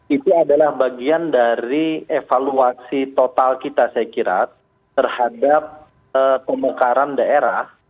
itu adalah bagian dari evaluasi total kita saya kira terhadap pemekaran daerah